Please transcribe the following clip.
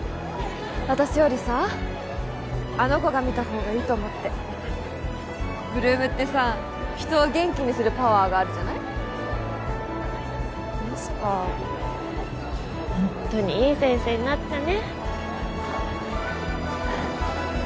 私よりさあの子が見たほうがいいと思って８ＬＯＯＭってさ人を元気にするパワーがあるじゃないあす花ホントにいい先生になったね